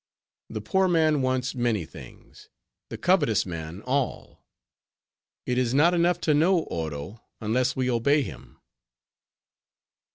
The poor man wants many things; the covetous man, all. It is not enough to know Oro, unless we obey him.